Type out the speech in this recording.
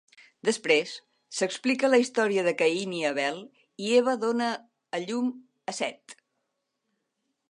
Després, s'explica la història de Caín i Abel, i Eva dóna a llum a Set.